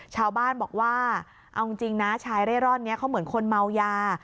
ชาวบ้านบอกว่าเอาจริงนะชายเร่ร่อนนี้เขาเหมือนคนเมายา